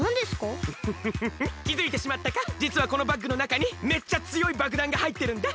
じつはこのバッグのなかにめっちゃつよいばくだんがはいってるんだ。